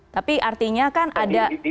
tapi artinya kan ada